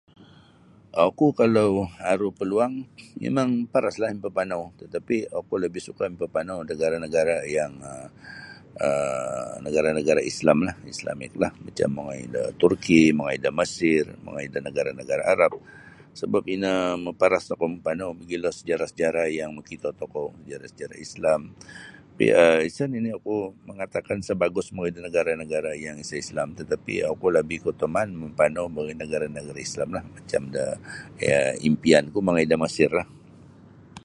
Oku kalau aru paluang mimang maparaslah mimpipanau tetapi oku lagi suka mimpipanau da nagara-nagara yang um nagara-nagara islamlah islamiklah macam mongoi da Turkey mongoi da Mesir mongoi da nagara-nagara Arab sabab ino maparas tokou mampanau magilo sajarah-sajarah yang makito tokou sajarah-sajarah islam um isa nini oku mangatakan isa bagus mongoi da nagara-nagara yang isa islam tetapi oku labih keutamaan mampanau da nagara-nagara islamlah macam da um impian ku mongoi da Mesir lah.